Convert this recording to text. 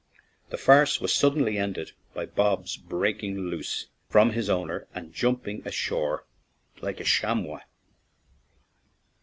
The farce was suddenly ended by Bob's breaking loose from his owner and jumping ashore like a chamois.